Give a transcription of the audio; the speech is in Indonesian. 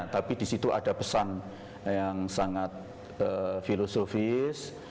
tapi di situ ada pesan yang sangat filosofis